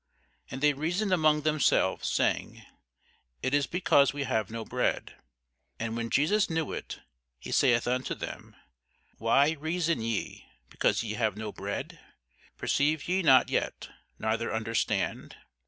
And they reasoned among themselves, saying, It is because we have no bread. And when Jesus knew it, he saith unto them, Why reason ye, because ye have no bread? perceive ye not yet, neither understand?